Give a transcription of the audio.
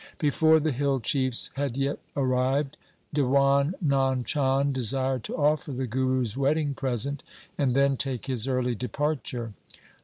Before the hill chiefs had yet arrived, Diwan Nand Chand desired to offer the Guru's wedding present, and then take his early departure.